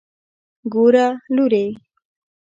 ګوره لورې.